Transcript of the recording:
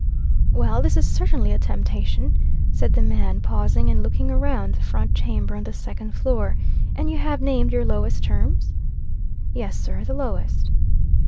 "Well, this is certainly a temptation," said the man, pausing and looking around the front chamber on the second floor. "And you have named your lowest terms?" "Yes, sir; the lowest."